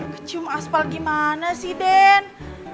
kecium aspal gimana sih den